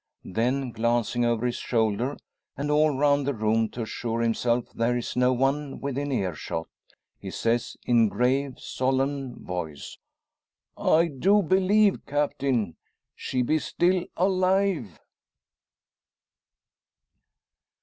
Then glancing over his shoulder, and all round the room, to assure himself there is no one within earshot, he says, in grave, solemn voice: "I do believe, Captain, she be still alive!"